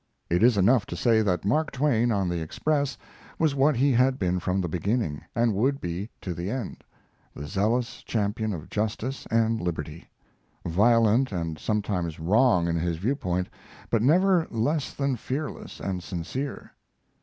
It is enough to say that Mark Twain on the Express was what he had been from the beginning, and would be to the end the zealous champion of justice and liberty; violent and sometimes wrong in his viewpoint, but never less than fearless and sincere.